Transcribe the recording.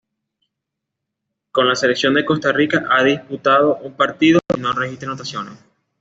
Con la Selección de Costa Rica ha disputado un partido y no registra anotaciones.